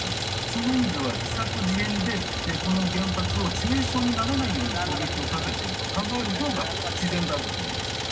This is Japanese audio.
その意味では自作自演でこの原発を致命傷にならないように攻撃をかけていると考えるほうが自然だろうと思います。